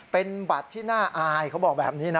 เป็นบัตรที่น่าอายเขาบอกแบบนี้นะ